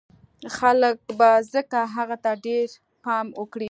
خلک به ځکه هغه ته ډېر پام وکړي